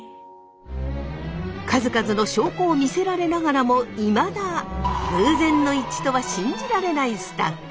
数々の証拠を見せられながらもいまだ偶然の一致とは信じられないスタッフ。